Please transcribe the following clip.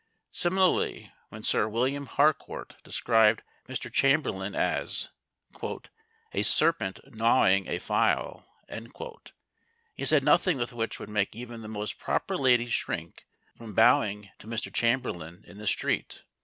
Similarly, when Sir William Harcourt described Mr Chamberlain as "a serpent gnawing a file," he said nothing which would make even the most proper lady shrink from bowing to Mr Chamberlain in the street.